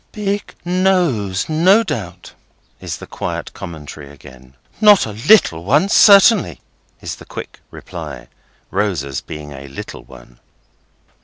"Big nose, no doubt," is the quiet commentary again. "Not a little one, certainly," is the quick reply, (Rosa's being a little one.)